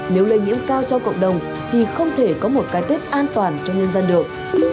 nếu lây nhiễm cao trong cộng đồng thì không thể có một cái tết an toàn cho nhân dân được